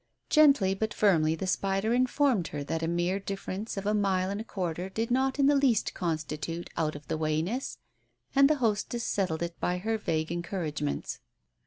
Gently, but firmly, the spider informed her that a mere difference of a mile and a quarter did not in the least constitute out of the wayness, and the hostess settled it by her vague encouragements.